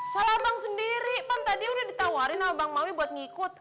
salah abang sendiri pan tadi udah ditawarin sama bang mawi buat ngikut